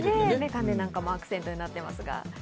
メガネなんかもアクセントになってます。